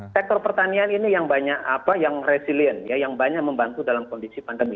sektor pertanian ini yang banyak yang resilient yang banyak membantu dalam kondisi pandemi